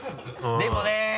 でもね！